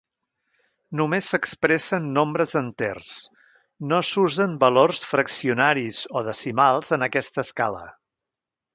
Només s'expressa en nombres enters, no s'usen valors fraccionaris o decimals en aquesta escala.